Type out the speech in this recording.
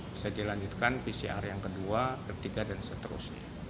bisa dilanjutkan pcr yang kedua ketiga dan seterusnya